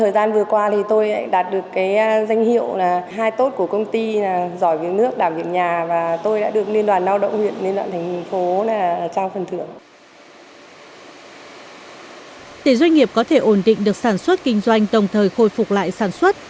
để doanh nghiệp có thể ổn định được sản xuất kinh doanh đồng thời khôi phục lại sản xuất